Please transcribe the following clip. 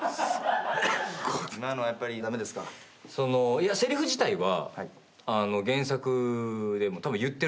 いやせりふ自体は。